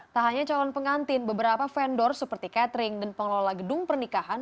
tak hanya calon pengantin beberapa vendor seperti catering dan pengelola gedung pernikahan